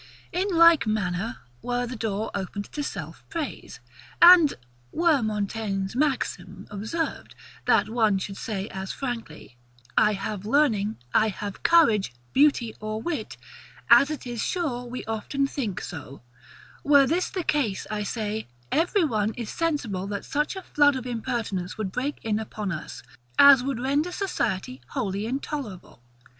In like manner, were the door opened to self praise, and were Montaigne's maxim observed, that one should say as frankly, I HAVE SENSE, I HAVE LEARNING, I HAVE COURAGE, BEAUTY, OR WIT, as it is sure we often think so; were this the case, I say, every one is sensible that such a flood of impertinence would break in upon us, as would render society wholly intolerable.